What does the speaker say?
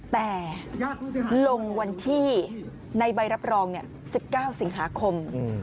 แต่ลงวันที่ในใบรับรอง๑๙สิงหาคม